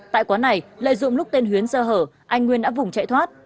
tại quán này lợi dụng lúc tên huyến sơ hở anh nguyên đã vùng chạy thoát